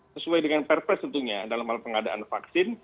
sesuai dengan perpres tentunya dalam hal pengadaan vaksin